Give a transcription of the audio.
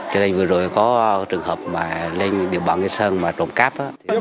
cho nên vừa rồi có trường hợp lên địa bàn sân trộm cắp